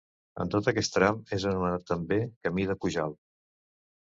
En tot aquest tram és anomenat també Camí de Pujalt.